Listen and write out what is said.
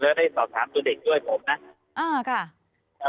แล้วก็ได้สอบถามตัวเด็กด้วยผมนะ